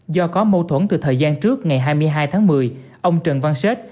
do có mâu thuẫn từ thời gian trước ngày hai mươi hai tháng một mươi ông trần văn xết